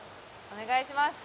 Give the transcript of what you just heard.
お願いします。